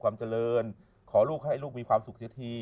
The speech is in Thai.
ความเจริญขอลูกให้ลูกมีความสุขเสียที